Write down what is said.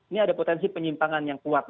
ini ada potensi penyimpangan yang kuat